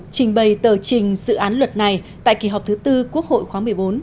trình bày tờ trình dự án luật này tại kỳ họp thứ tư quốc hội khóa một mươi bốn